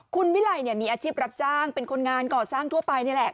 คุณวิไลมีอาชีพรับจ้างเป็นคนงานก่อสร้างทั่วไปนี่แหละ